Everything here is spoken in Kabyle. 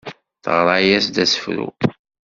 Teɣra-yas-d asefru.